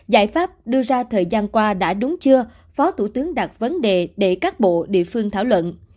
giải pháp đưa ra thời gian qua đã đúng chưa phó thủ tướng đặt vấn đề để các bộ địa phương thảo luận